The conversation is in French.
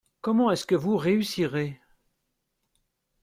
Comment est-ce que vous réussirez ?